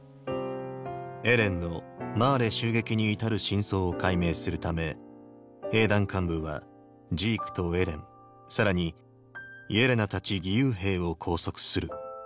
エレンのマーレ襲撃に至る真相を解明するため兵団幹部はジークとエレンさらにイェレナたち義勇兵を拘束する。